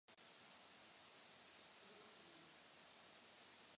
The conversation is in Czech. Bohužel, ne vždy tak tomu opravdu je.